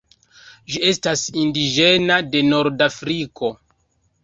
Ĝi estas indiĝena de norda Afriko.